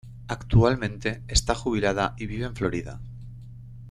Actualmente está jubilada y vive en Florida.